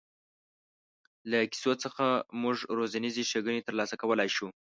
له کیسو څخه موږ روزنیزې ښېګڼې تر لاسه کولای شو.